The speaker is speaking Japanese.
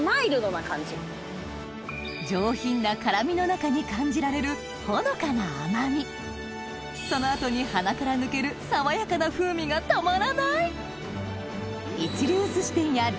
上品な辛味の中に感じられるほのかな甘味その後に鼻から抜けるがたまらない！